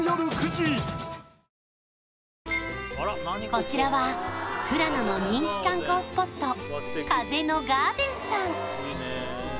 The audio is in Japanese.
こちらは富良野の人気観光スポット風のガーデンさん